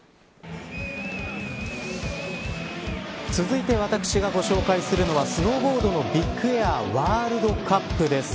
続いて私がご紹介するのはスノーボードのビッグエアワールドカップです。